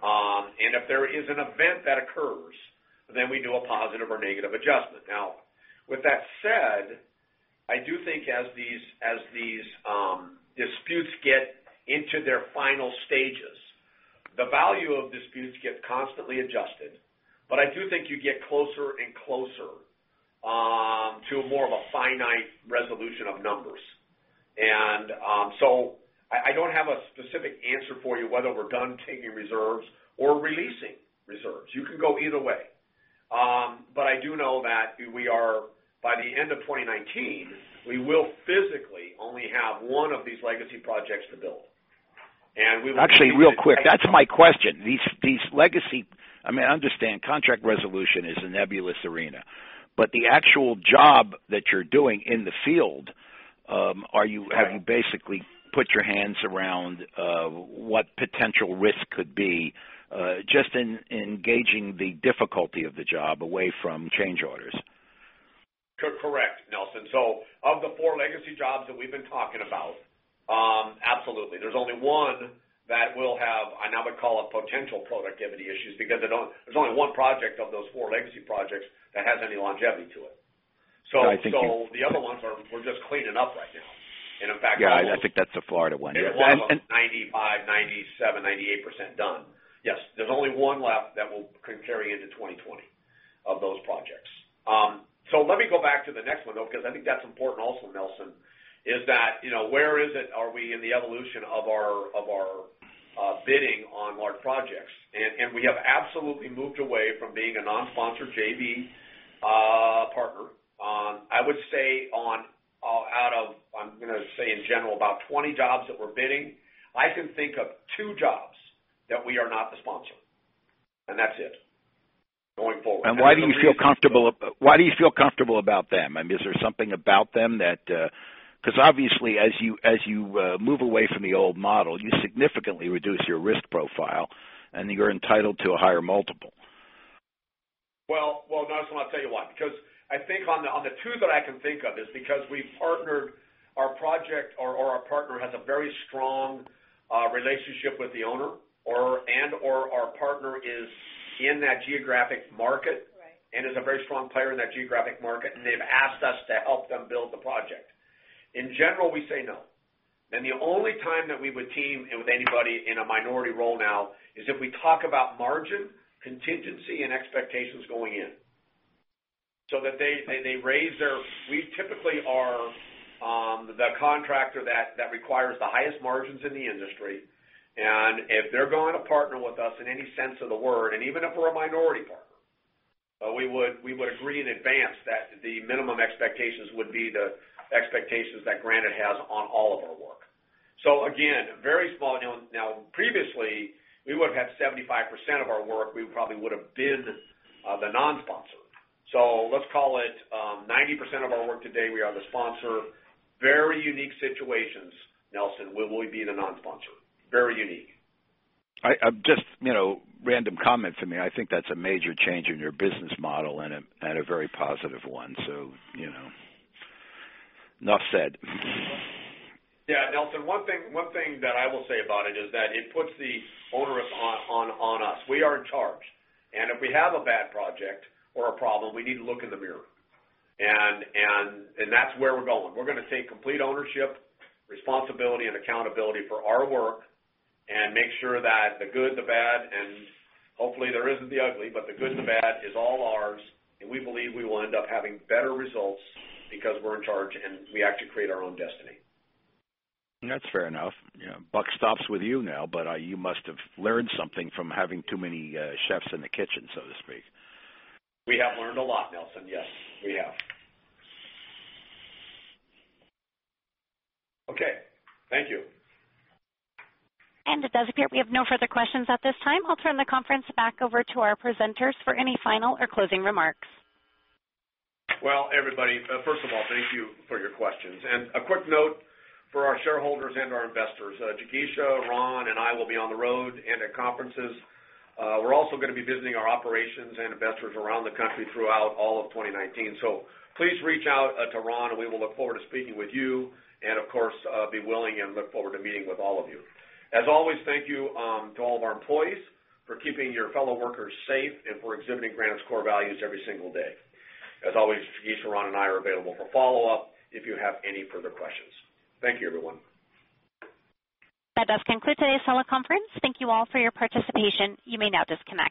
And if there is an event that occurs, then we do a positive or negative adjustment. Now, with that said, I do think as these disputes get into their final stages, the value of disputes gets constantly adjusted, but I do think you get closer and closer to more of a finite resolution of numbers. And, so I, I don't have a specific answer for you, whether we're done taking reserves or releasing reserves. You can go either way. But I do know that we are... By the end of 2019, we will physically only have one of these legacy projects to build, and we will- Actually, real quick, that's my question. These, these legacy- I mean, I understand contract resolution is a nebulous arena, but the actual job that you're doing in the field, are you- Right. Have you basically put your hands around what potential risk could be just in engaging the difficulty of the job away from change orders? Correct, Nelson. So, of the four legacy jobs that we've been talking about, absolutely. There's only one that will have, I now would call it potential productivity issues, because there's only one project of those four legacy projects that has any longevity to it. I think you- So, the other ones are, we're just cleaning up right now. And in fact- Yeah, I think that's the Florida one. 95%, 97%, 98% done. Yes, there's only one left that will carry into 2020... of those projects. So, let me go back to the next one, though, because I think that's important also, Nelson, is that, you know, where are we in the evolution of our bidding on large projects? And we have absolutely moved away from being a non-sponsored JV partner. I would say out of, I'm gonna say in general, about 20 jobs that we're bidding, I can think of 2 jobs that we are not the sponsor, and that's it going forward. And why do you feel comfortable, why do you feel comfortable about them? I mean, is there something about them that... Because obviously, as you, as you, move away from the old model, you significantly reduce your risk profile, and you're entitled to a higher multiple. Well, well, Nelson, I'll tell you why. Because I think on the, on the two that I can think of is because we've partnered our project or, or our partner has a very strong relationship with the owner, or, and, or our partner is in that geographic market- Right. and is a very strong player in that geographic market, and they've asked us to help them build the project. In general, we say no. And the only time that we would team with anybody in a minority role now is if we talk about margin, contingency, and expectations going in. So, that they raise their... We typically are the contractor that requires the highest margins in the industry. And if they're going to partner with us in any sense of the word, and even if we're a minority partner, we would agree in advance that the minimum expectations would be the expectations that Granite has on all of our work. So again, very small. Now, previously, we would've had 75% of our work, we probably would have bid the non-sponsor. So, let's call it 90% of our work today, we are the sponsor. Very unique situations, Nelson, where we'll be the non-sponsor. Very unique. I just, you know, random comment from me. I think that's a major change in your business model and a very positive one, so you know. Enough said. Yeah, Nelson, one thing that I will say about it is that it puts the onus on us. We are in charge, and if we have a bad project or a problem, we need to look in the mirror. And that's where we're going. We're gonna take complete ownership, responsibility, and accountability for our work and make sure that the good, the bad, and hopefully there isn't the ugly, but the good and the bad is all ours, and we believe we will end up having better results because we're in charge, and we actually create our own destiny. That's fair enough. Yeah, buck stops with you now, but you must have learned something from having too many chefs in the kitchen, so to speak. We have learned a lot, Nelson. Yes, we have. Okay, thank you. It does appear we have no further questions at this time. I'll turn the conference back over to our presenters for any final or closing remarks. Well, everybody, first of all, thank you for your questions. A quick note for our shareholders and our investors, Jigisha, Ron, and I will be on the road and at conferences. We're also gonna be visiting our operations and investors around the country throughout all of 2019. So please reach out to Ron, and we will look forward to speaking with you and, of course, be willing and look forward to meeting with all of you. As always, thank you to all of our employees for keeping your fellow workers safe and for exhibiting Granite's core values every single day. As always, Jigisha, Ron, and I are available for follow-up if you have any further questions. Thank you, everyone. That does conclude today's teleconference. Thank you all for your participation. You may now disconnect.